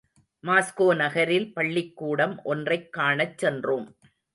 Moscow நகரில் பள்ளிக்கூடம் ஒன்றைக் காணச் சென்றோம்.